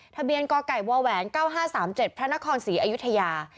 ทะเบียนกไก่วาแหวน๙๕๓๗พระนครศรีอายุทยา